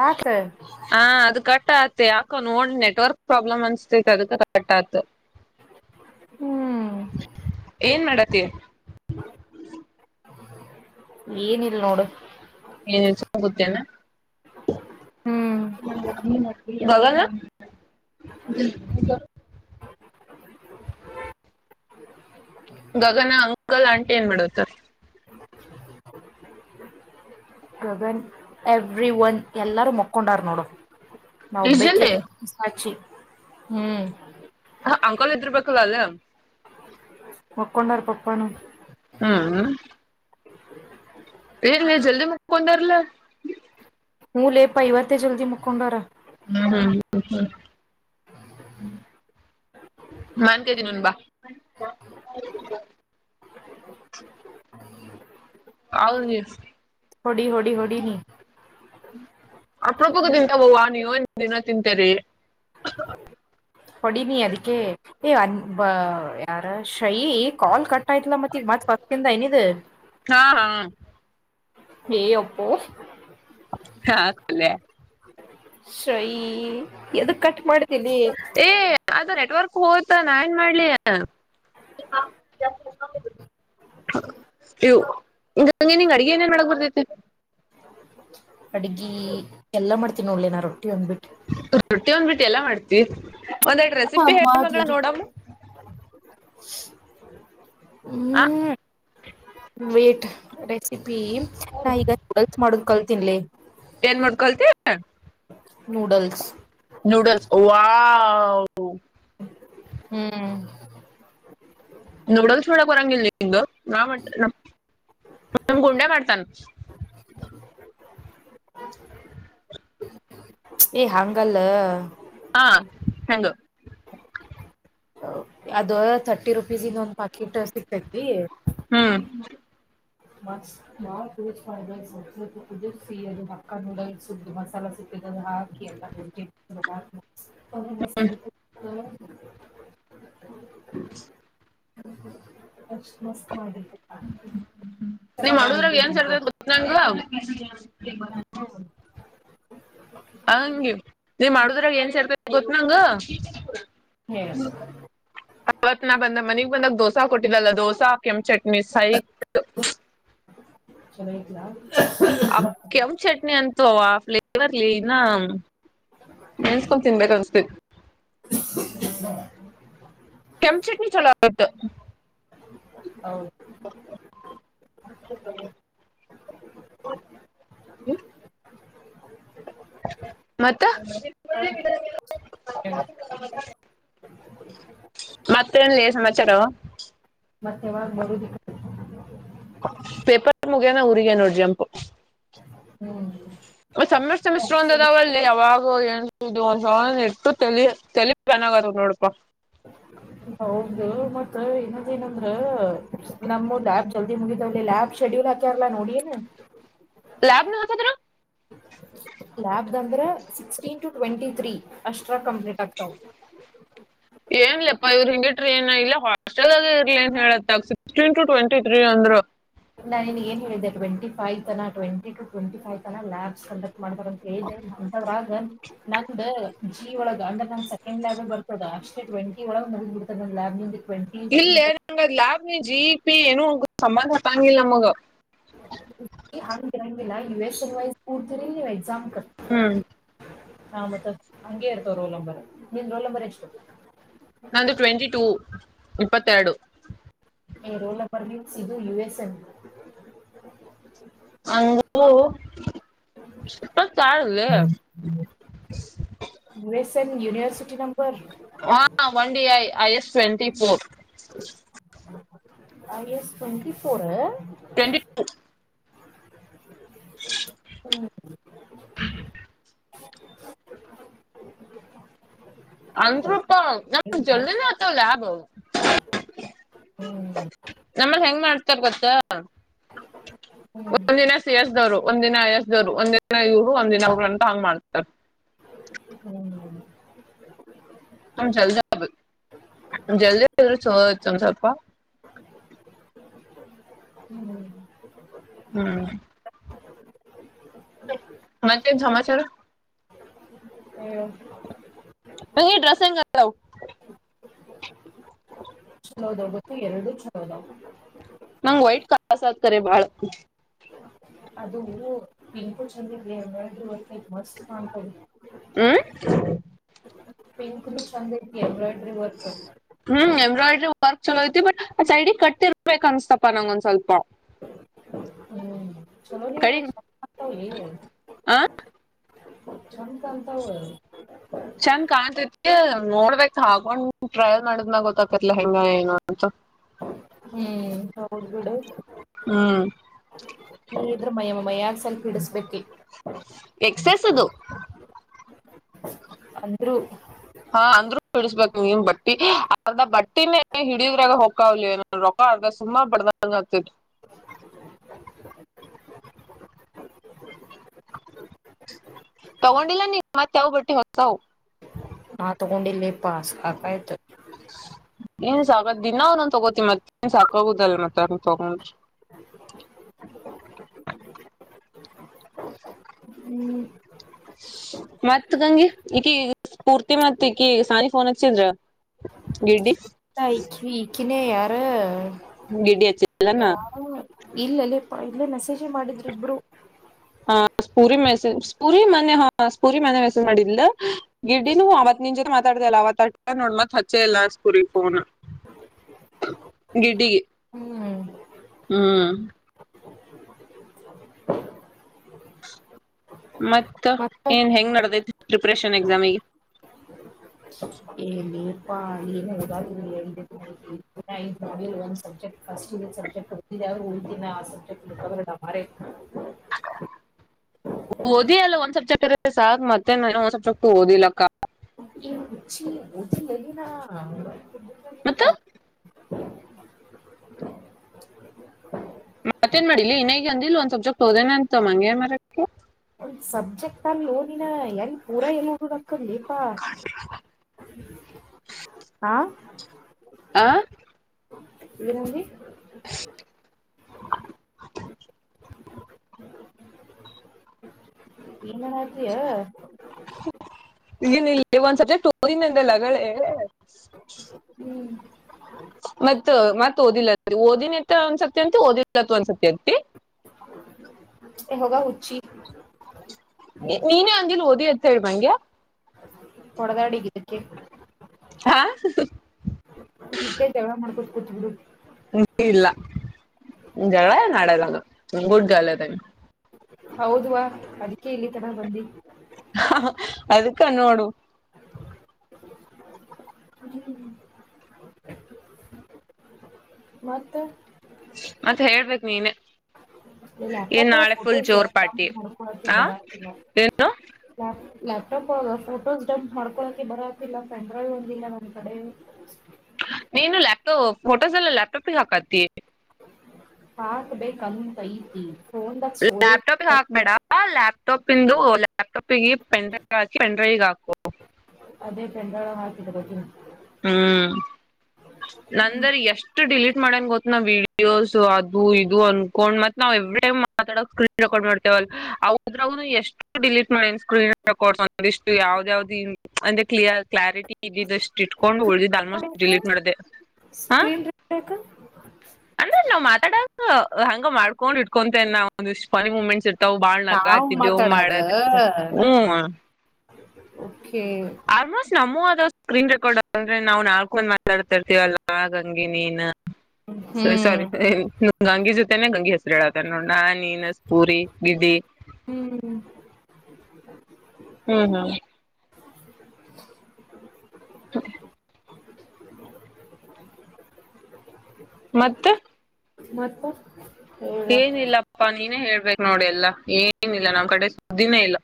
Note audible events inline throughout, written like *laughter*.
ಯಾಕ ಹಾ ಅದು ಕಟ್ಟ ಯಾಕ ನೋಡ್ ನೆಟ್ವರ್ಕ್ ಪ್ರಾಬ್ಲಮ್ ಅನ್ಸ್ತೈತೆ ಅದಕ್ಕೆ ಕಟ್ಟಾತ ಹ್ಮ್ ಏನ್ ಮಾಡತಿ ಏನಿಲ್ಲ ನೋಡು ಏನ್ ಸುಮ್ಮ ಕೂತಿ ಏನು ಹ್ಮ್ *unintelligible* ಗಗನ *unintelligible* *inaudible* ಗಗನ ಅಂಕಲ್ ಆಂಟಿ ಏನ್ ಮಾಡತಾರ ಗಗನ್ ಎವ್ರಿ ಒನ್ ಎಲ್ಲಾರು ಮೊಕ್ಕೊಂಡಾರ್ನ್ನೋಡ ನಾ ಒಬ್ಬಕ್ಕೆ ಇಜಲ್ಲಿ ಸಾಚಿ ಹ್ಮ್ ಅಂಕಲ್ ಇದರ್ಬೇಕಲ್ಲ ಅಲ್ಲೇ ಮಕ್ಕೊಂಡಾರ್ ಪಪ್ಪಾನು *inaudible* ಏನ ಜಲ್ದಿ ಮುಕ್ಕೊಂಡಾರಲ್ಲ ಹೂ ಲೇಪ ಇವತ್ತ ಜಲ್ದಿ ಮುಕ್ಕೊಂಡರ ಹ್ಮ ಮಾವಿನಕಾಯಿ ತಿನ್ನೋನ ಬಾ ಹೌ ಹೊಡಿ ಹೊಡಿ ಹೊಡಿ ನೀ ಅಪರೂಪಕ್ಕ ತಿಂತೀವಿ ವ ನೀವೇನು ದಿನ ತಿಂತಿರಿ ಹೊಡಿ ನೀ ಅದಕ್ಕೆ ಏ ಅನ್ ಯಾರ ಶ್ರಯಿ ಕಾಲ್ ಕಟ್ ಆಯ್ತ್ಲಾ ಮತ್ತೆ ಮತ್ತ್ ಫಸ್ಟ್ ಇಂದ ಏನಿದ ಹಾ ಹಾ ಏ ಅಪ್ಪೋ ಹಾ ಕೊುಲ್ಲ *unintelligible* ಶ್ರೈ ಎದು ಕಟ್ ಮಾಡಿದೀ ಮಾಡಿದಿ ಏ ಅದು ನೆಟ್ವರ್ಕ್ ಹೋತಾ ನಾ ಏನ್ ಮಾಡ್ಲಿ ಹಾ ಇವುಂಗೆ ನಿಂಗ ಅಡ್ಗೆ ಏನೇನ್ ಮಾಡಕ್ ಬರ್ತೈತಿ ಅಡ್ಗಿ ಎಲ್ಲ ಮಾಡ್ತೀನಿ ನೋಡಲೇ ನಾ ರೊಟ್ಟಿ ಒಂದ್ಬಿಟ್ಟು ರೊಟ್ಟಿ ಒಂದ್ ಬಿಟ್ ಎಲ್ಲ ಮಾಡ್ತಿ ಮಾಡ್ತಿ ಒಂದ್ ಎರಡು ರೆಸಿಪಿ ಅಮ್ಮ ಹೇಳ ಮಗಳ ದೇವ್ರೇ ನೋಡಮ್ *inaudible* ಹ್ಮ್ ವೇಟ್ ರೆಸಿಪಿ ನಾ ಈಗ ನೂಡಲ್ಸ್ ಮಾಡೋದು ಕಲ್ತ್ ತಿನಿ ಲೆ ಏನ್ ಮಾಡದು ಕಲ್ತಿ noodles noodles wow how hmm noodles ಮಾಡಕ ಬರಂಗಿಲ್ಲ ನಿಂಗ ನಾ ಮಾಡ್ತೆ ನಮ್ ಗುಂಡ್ಯ ಮಾಡ್ತಾನ ಏಯ್ ಹಂಗಲ್ಲ ಹಾ ಹೆಂಗ ಅದು ಥರ್ಟಿ ರುಪೀಸಿಂದು ಒಂದ್ ಪ್ಯಾಕ್ಕೆಟ್ ಸಿಕ್ತೈತಿ ಹ್ಮ್ ಮ *unintelligible* ಸಿದು ಹಕ್ಕ ನೂಡಲ್ಸ್ ಮಸಾಲ ಸಿಕ್ಕ ಹಾಕಿ ಎಲ್ಲ *unintelligible* ಹ ಮಸ್ತ್ ಹ *inaudible* ಎಕ್ಸ್ಪ್ರೆಸ್ ಮಾಡಿ ಹ್ಮ ನೀ ಮಾಡುದ್ರ ಏನ್ ಸರ್ದ ಮಾಡ್ಕೊಡ್ತಿ ಗೊತ್ತ್ ನಂಗಲು ಹಾ *unintelligible* ವಿನೋದ ಹಂಗಿ ನೀವ್ ಮಾಡುದ್ರಾಗ ಏನ್ ಸೇರರ್ಬೇಕು ಗೊತ್ತು ನಂಗ ಹೇ ಅವತ್ ನಾ ಬಂದ ಮನಿಗ್ ಬಂದಾಗ ದೋಸಾ ಕೊಟ್ಟಿದಲ್ಲ ದೋಸಾ ಕೆಂ ಚಟ್ನಿ ಸೈಕ್ ಚೆನ್ನಾಗಿತಯಾ ಕೆಂ ಚಟ್ನಿ ಅಂತವಾ ಫ್ಲೇವರ್ಲಿ ಇನ್ನ ನೆನ್ಸ್ಕೊಂಡ್ ತಿನ್ಬೇಕು ಅನ್ಸತತಿ *inaudible* ಕೆಂಪು ಚಟ್ನಿ ಚಲೋವತ್ತು ಹೌ ಹ ಮತ್ತ ಮತ್ತೆ ಲೇಚಾನಲ್ ಚರು ಮತ್ತೆ ಯಾವಗ ಬರುದಿ ಪೇಪರ್ ಮುಗೇನ ಊರಿಗೆ ನೋಡ್ ಜಂಪು ಸಮ್ಮಿಶ್ರ ಸಮ್ಮಿಶ್ರ ಒಂದ ಹ್ಮ್ ಅದಾವ ಅಲ್ಲ ಅವಾವು ನ್ ಒಂದ್ ಸ ಇಟ್ಟು ತಲಿ ತಲಿ ಚೆನ್ನಾಗತ್ ನೋಡಪಾ ಹೌದದು ಮತ್ತ ಇನ್ನೊಂದ್ ಏನಂದ್ರ ನಮಬ್ ಜಲ್ದಿ ಮುಗಿದವಲ್ಲಿ ಆಬ್ ಶೆಡ್ಯೂಲ್ ಹಾಕ್ಯಾರಲ್ಲ ನೋಡಿನ್ ಲಾಬ್ಪ ನೋತದರು ಲ್ಯಾಬ್ ಅಂದ್ರೆ ಸಿಕ್ಸ್ಟೀನ್ ಟು ಟ್ವೆಂಟಿ ತ್ರಿ ಎ ಕಂಪ್ಲಿಟ್ ಆಗ್ತವು ಏ ಇಲ್ಲ ಹಾಸ್ಟೆಲ್ ಇರ್ಲಿಏನ್ ಹೇಳತ್ತ ಸಿಕ್ಸ್ಟೀನ್ ಟು ಟ್ವೆಂಟಿ ತ್ರೀ ಅಂದ್ರು ನಾನ್ ಏ ಹೇಳಿದ್ದ ಟ್ವೆಂಟ ಫೈತನ ಟ್ವೆಂಟ ಟ ಟ್ವೆಂಟಿ ವ್ ತನ ಲಾಸ್ಟ್ ಮಾಡ್ತಾರಂತ ಹೇಳ್ದ ಅಂತ ರಾಗ ನಂದು ಮಜಿ ಒಳಗ್ ಅಂದ್ರೆ ನನ್ ಸೆಕೆಂಡ್ ಲಾಬ್ ಬರ್ತದ ಅಷ್ಟೇ ಟ್ವೆಂಟಿ ಒಳಗ್ ನ ಬಿಡ್ತದೆ ನನ್ ಲ್ಯಾಬ್ನಲ್ಲಿ ಇಲ್ಲೇ ಲ್ಯಾಬು ಜಿಪಿ ಏನು ಸಂಬಂಧ ತಾಂಗಿಲ್ಲ ನಮಗೂ ಹರಿ ನಂದನ ಎಸಿ ಹಾಕು ಎದಲೀ ಎಕ್ಸಾಮ್ ಕಟ್ ಹ್ಮ್ ಹಾ ಮತ್ತ ಹಂಗೆ ಇರ್ತವ ರೋಲ್ ನಂಬರು ನೀನ್ ರೋಲ್ ನಂಬರ್ ಎಷ್ಟು ನಂದು ಟ್ವೆಂಟಿ ಟೂ ಇಪ್ಪತ್ತೆರಡು *unintelligible* ರೋಲ ಪರ್ಲಿ ಸಧು ಯು ಎಸ್ ಎನ್ ಅಂಗ ಇಪ್ಪತಾರಲ್ಲ *inaudible* ಯುನಿವರ್ಸಿಟಿನಮ್ ವಾ ವಂಡಿಯಯ I S twenty four I S twenty four twenty two ಹ್ಮ *inaudible* ಹ್ಮ್ *inaudible* ಅಂದ್ರೂಪ ನಮ್ ಬ್ಯಾಂಚ್ ಜಲ್ಿನ ಆತವಲ್ಾಬ್ ನಮ್ಮಲ್ ಹೆಂಗ್ ಮಾಡ್ತ *unintelligible* ತರ್ ಗೊತ್ತಾ ಒಂದಿನ ಸಿ ಎಸ್ ದೋರು ಒಂದಿನ ಎಸ್ವರು ಒಂದಿನ ಇವ್ರು ಒಂದಿನ ಇವರು ಅಂತ ಹಂಗ್ ಮಾಡ್ತಾರೆ ಹ್ಮ ನ ಜಲ್ದಿ ಆಗ್ ಜಲ್ದಿ ಆ್ರರುಯ ಒಂದ್ ಸ್ವಲ್ಪ *unintelligible* ಹ್ಮ್ *inaudible* ಹ್ಮ್ ಮತ್ತೇನ್ ಸಮಾಚಾರ ಹ್ಮ ಹಂಗಗೆ ್ರಸ್ಸಂಗವು *unintelligible* ಹಾ *inaudible* ಚಲೋದ ಗತ್ತು ಎರಡು ಚಲೋದ ಮಂಗ್ ವೈಟ್ ಕಾಸತ್ ಅ ರೇ ಬಾಳ ಅದು ಪನ್ಕುಲ್ ಚಂದರ್ ಮಸ್ತ್ ಕಪ *unintelligible* ಹ್ಮ್ ಪಿಂಕ್ದು ಚಂದ್ ಐತಿ ಬಟ್ ಹ್ಮ್ ಎಂಬ್ರಾಯಿಡ್ ವರ್ಕ್ ಚಲೋಐತಿ ಬಟ್ ಆ ಸೈಡಿಗ್ ಕಟ್ಟಿರ್ಬೇಕು ಅನ್ಸ್ತಪ ನಂಗೊಂದ್ ಸ್ವಲ್ಪ ಹ್ಮ್ ಚಲೋ ನೀ ಕಡಿಗ್ *inaudible* ಹ *inaudible* ಚಂದ ಕಾಣ್ತತಿ ನೋಡ್ಬೇಕ್ ತಗೊಂಡ್ ಟ್ರಯಲ್ ಮಾಡಿದ್ನಾಗ ಗೊತ್ತಾಕತ್ಲಾ ಹೆಂಗ ಏನು ಅಂತ ಹ್ಮ್ ಹೌದು ಬಿಡು ಹ್ಮ್ ನಿ ಇದ್ರ ಮಯಮ ಮಯ ಬಿಡಿಸ್ಬೇಕಟ್ಟು *unintelligible* ಎಕ್ಸೈಸ್ ಅದು ಅಂದರು *inaudible* ಹಾ ಅಂದ್ರೂ ಹಡಿಸಬೇಕಕ್ ನೀನ್್ ಬಟ್ಟಿ ಅರ್ಧ ಬಟ್ಟಿನೇ ಹಿಡಿದ್ರಾಗ ಹೊಕ್ಕ ಅವ್ಲಿ ರೊಕ್ಕ ಅರ್ಧ ಸುಮಾ ಬಡ್ದಂಗ ಆತ *unintelligible* ತಗೊಂಡಿಲ್ಲ ನೀ ಮತ್ ಯಾವ್ ಬಟ್ಟಿ ಕೌ ಕೊಂಡಿಲ್ವಿಪಾ ಸಾಕಾಯ್ತು ಏನ್ ಸಾಕತ್ ದಿನ ಒಂದೊಂದ್ ತಗೋತಿ ಮತ್ ಏನ್ ಸಾಕಾಗುದಲ್ ಮತ್ತೆ ಅಂಗ್ ತಗೊಂಚ್ ಹ್ಮ್ ಮತ್ ಗಂಗಿ ಈಕಿ ಪೂರ್ತಿ ಮತ್ ಈಕಿ ಸಾನಿ ಫೋನ್ ಹಚ್ಚಿದ್ರ ಗಿಡ್ಡಿ *unintelligible* ಕಿನೇ ಯಾರ ಗಿಡ್ಡಿ ಅಚ್ಚಿಲ್ಲೇನು? ಇಲ್ಲಲ್ಲೇಪ ಇಲ್ಲೇ ಮೆಸೇಜ್ ಮಾಡಿದ್ರು ಇಬ್ರು. ಹಾ ಸ್ಪೂರಿ ಮೆಸೇಜ್ ಸ್ಪೂರಿ ಮನೆ ಹಾ ಸ್ಪೂರಿ ಮನ್ನೆ ಮೆಸೇಜ್ ಮಾಡಿದ್ಳ ಗಿರ್ಡ್ಡಿನು ಅವತ್ ನಿನ್ ಜೊತೆ ಮಾತಾಡತಲ್ಲ ಅವತ್ ಅಷ್ಟೆ ನೋಡ ಮತ್ ಹಚ್ಚೆ ಇಲ್ಲ ಸ್ಪೂರಿಗ್ ಫೋನ ಗಿಡ್ಡಿಗಿ ಹ್ಮ್ ಹ್ಮ್ *inaudible* ಮತ್ತ ಏನ್ ಹೆಂಗ್ ನಡದೈತಿ? ಪ್ರಿಪ್ರೇಷನ್ ಎಕ್ಸಾಮಿಗೆ? *unintelligible* ಕವಲಡ ಮಾರೆ ಓದಿ ಅಲ್ ಒಂದ್ ಸಬ್ಜೆಕ್ಟ್ ಆರೆ ಸಾಕ್ ಮತ್ತೆ ನಾ ಇನ್ಯಾವ ಸಬ್ಜೆಕ್ಟ್ ಓದಿಲ್ಲಕ್ಕ *unintelligible* ಮತ್ತ *inaudible* ಈ ಒಂದ್ ಇಲ್ ಒಂದ್ ಸಬ್ಜೆಕ್ಟ್ ಹೋದೇನೆ ಅಂತ ಮಂಗ್ಯಾ ಮಾರಕ್ತ್ಯ ಒಂದ್ ಸಬ್ಜೆಕ್ಟ್ ಅಲ್ ಹೋಗಿಲ್ಲ ಎಲ್ ಪೂರ *unintelligible* ಹಾಂ ಆ ಏನಂದಿ? ಏನಾರ ತಿಯಾ ಇಂಜಿನಿಯರಿಂಗ್ ಅಲ್ಲಿ ಒಂದ್ ಸಬ್ಜೆಕ್ಟ್ ಹೋಗಿನಿ ಅಂದಲ್ಲ ಅದಳೆ *unintelligible* ಹ್ಮ್ ಮತ್ ಮತ್ ಓದಿಲ್ಲತ್ ಅಂತಿ ಓದಿನತ್ತ ಒಂದಸತಿ ಅಂತಿ ಓದಿಲ್ಲತ್ ಒನ್ಸತಿ ಅಂತಿ ಯೋಗ ಉಚಿ ನೀನೇ ಅಂದಿಲ್ *unintelligible* ಹೊಡೆದಾಡಿಗ ಹಾ *unintelligible* ನಿತ್ಯೆ ಜಗ್ಳ ಮಾಡ್ಕೋತು *unintelligible* *unintelligible* ಇಲ್ಲ ಜಗ್ಳಯೇನ್ ಆಡಲ ನಾನ್ ಗುಡ್ ಗರ್ಲ್ ಅದೀನಿ. ಹೌದುವ ಅದಿ ಕೆ ಇಲ್ಲಿ ತನ ಬಂದಿ ಕ್ಕ ನೋಡು *unintelligible* ಮತ್ತ ಮತ್ತೆ ಹೇಳ್ಬೇಕ್ ನೀನೇ ಈ ಲ್ಯಾಪ್ಟಾಪ್ ಒಳಗ್ ಫೋಟೋಸ್ ಡೌನ್ಲೋಡ್ ಪಾರ್ಟಿ ಮಾಡ್ಕೋಳೋಕೆ ಆ ಬರಲ್ಲ ನೋಡ್ ಏನ್ *unintelligible* ಲ್ಯಾಪ್ಟಾಪ್ ಒಳಗ ಫೋಟೋಸ್ ಡಂಪ್ ಮಾಡ್ಕೊಳಕೆ ಬರತಿಲ್ಲ ಪೆನ್ ಡ್ರೈವ್ ಒಂದಿಲ್ಲ ನಮ್ ಕಡೆ ಇನ್ನು ಲ್ಯಾಪಟೋ ಫೋಟೋಸ್ ಎಲ್ಲ ಲ್ಯಾಪ್ಟಾಪಿಗ್ ಹಾಕತಿ ಹಾಕ್ಬೇಕಂತೈತಿ ಲ್ಯಾಪ್ಟಾಪಿಗ್ ಹಾಕ್ಬೇಡ ಲ್ಯಾಪ್ ಪ್ಟಾಪ್ ಇಂದು ಲಾಪ್ಟಾಪ್ ಪ್ಪಿಗೆ ಪೆನ್ ಡ್ರೈವ್ ಹಾಕಿ ಪೆನ್ ಡ್ರೈವಿಗ್ ಹಾಕ್ಕೋ ಇಟ್ಕೋತೀನಿ ಹ್ಮ್ ನಂದರಿ ಎಷ್ಟು ಡಿಲೀಟ್ ಮಾಡೇನ್ ಗೊತ್ ನ ವೀಡಿಯೋಸ್ ಅದು ಇದು ಅನ್ಕೊಂಡ್ ಮತ್ ನಾವ್ ಎವ್ರಿ ಟೈಮ್ ಮಾತಾಡ ಸ್ಕ್ರೀನ್ ರೆಕಾರ್ಡ್ ಮಾಡ್ತೇವದ್ರಾಗ ಎಷ್ಟು ಡಿಲೀಟ್ ಮಾಡ ಸ್ಕ್ರೀನ್ ರೆಕಾರ್ಡ್ ಇಷ್ಟು ಯಾವ್ದ ಯಾವ್ದ್ ಅಂದ ಕ್ಲಿಯರ್ ಕ್ಲಾರಿಟಿ ಇದ ಇಟ್ಕೊಂಡು ಉಳ್ದಿದ್ದ್ ಆಲ್ಮೋಸ್ಟ್ ಡಿಲೀಟ್ ಮಾಡ್ದೆ ಹಾ ಸ್ಕ್ರೀನ್ ರೆಕಾರ್ಡ್ ಅಂದ್ರೆ ನಾವ್ ಮಾತಾಡ ಹಂಗ ಮಾಡ್ಕೊಂಡ್ ಇಟ್ಕೊಂತೇ ನ ಒಂದ ಇಷ್ಟ್ ಫನ್ ಮೂಮೆಂಟ್ಸ್ ತಾವ್ ಬಾಳ್ ನಾವ್ ನಗಾಡ್ತಿದ್ದೆವು ಮಾತಾಡಾಗ ಮಾಡದ ಹ್ಮ ಓಕೆ ಆಲ್ಮೋಸ್ಟ್ ನಾಮೋ ಸ್ಕ್ರೀನ್ ರೆಕಾರ್ಡ್ ಅಂದ್ರೆ ನಾವು ನಾಲ್ಕು ಒಂದ ಮಾತಾಡ್ತಾರ್ತೀವಲ್ಲ ಹಾಗ ಹಂಗೆ ನೀನ್ ಹ್ಮ್ *unintelligible* ಗಂಗಿ ಜೊತೆನೆ ಗಂಗೆ ಹೆಸರು ಹೇಳತೇನ್ ನೋಡ್ ನಾ ನೀನ ಸ್ಪೂರಿ ಗಿಡಿ ಹ್ಮ್ ಹ್ಮ್ ಹ್ಮ್ *unintelligible* ಮತ್ತ ಮತ್ತ ಹೇಳ ಏನಿಲ್ಲಪ್ಪಾ ನೀನೇ ಹೇಳ್ ಬೇಕ್ ನೋಡೆಲ್ಲಾ ಏನ ಇಲ್ಲ ನಮ್ ಕಡೆ ಸುದ್ದಿನೇ ಇಲ್ಲ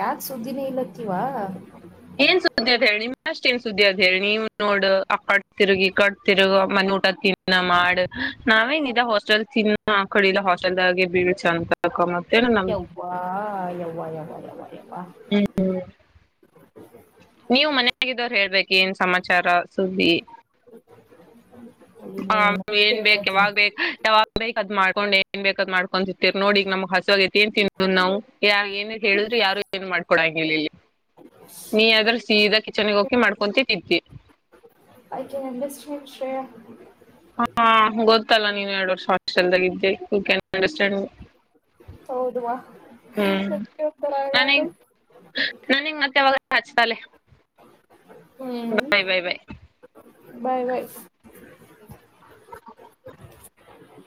ಯಾಕ್ ಸುದ್ದಿನೇ ಇಲ್ಲತ್ತೀವಾ ಏನ್ ಸುದ್ದಿ ಅದ ಹೇಳಿ ನಿಮ್ ಅಷ್ಟ್ ಏನ್ ಸುದ್ದಿ ಅದ್ ಹೇಳಿ ನೀವ್ ನೋಡ್ ಆ ಕಟ್ ತಿರುಗಿ ಕಟ್ ತಿರುಗ ಮನಿ ಊಟ ತಿನ್ನ ಮಾಡ ನಾವೇನ್ ಇದ ಹಾಸ್ಟೆಲ್ ತಿನ್ನ ಆ ಕಡೆಲ್ಲ ಹಾಸ್ಟೆಲ್ದಾಗೆ ಬೀಳ್ ಚಂದ *unintelligible* ಯವ್ವಾ ಯವ್ವ ಯವ್ವ ಯವ್ವ ಯವ್ವ ಹ್ಮ್ ಹ್ಮ್ ನೀವು ಮನ್ಯಾಗಿದ್ದವ್ರ್ ಹೇಳ್ಬೇಕ್ ಏನ್ ಸಮಾಚಾರ ಸುದ್ದಿ *inaudible* ಹಾಂ ನೋಡೋಣ ಏನ್ ಕೇಳಿ ಬೇಕ್ ಹೇಳ್ತೀನಿ ಯಾವಾಗ್ ಬೇಕ್ ಯಾವಾಗ್ ಬೇಕ್ ಅದ್ ಮಾಡ್ಕೊಂಡೆ ಏನ್ ಬೇಕ್ ಅದ್ ಮಾಡ್ಕೊಂಡ್ ತಿಂತಿವ್ ನೋಡ್ ಈಗ್ ನಮ್ ಹಸುವಾಗೈತ್ ಏನ್ ತಿನ್ನೋದ್ ನಾವು ಯಾರಿಗ್ ಏನ್ ಹೇಳುದ್ರು ಯಾರು ಏನ್ ಮಾಡ್ಕೊಡಾ ಗಿಲಿಲ್ಲಿ ನೀಯಾದ್ರೂ ಸೀದ ಕಿಚನಿಗ್ ಹೋಗ್ತಿ ಮಾಡ್ಕೊಂತಿ ತಿಂತಿ ಆಕೆ *inaudible* ಹಾ ಗೊತ್ ತ್ತಲ್ಲ ನೀನ್ ಎರ್ಡ್ ವರ್ಷ ಹಾಸ್ಟೆಲ್ದಾಗ್ ಇದ್ದಿ ಯು ಕ್ಯಾನ್ ಅಂಡರ್ಸ್ಟ್ಯಾಂಡ್ ಹೌದುವ ಹ್ಮ್ ಒಂತರ ಆಗದು ಹಚ್ತಲೆ ಹ್ಮ್ ಬಾಯ್ ಬಾಯ್ ಬಾಯ್ ಬಾಯ್ ಬಾಯ್ *inaudible*